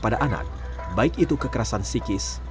pada anak baik itu kekerasan psikis